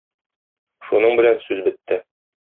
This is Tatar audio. Шуның белән сүз бетте.